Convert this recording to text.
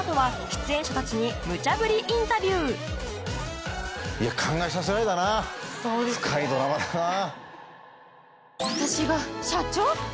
インタビューいや考えさせられたな深いドラマだなぁ。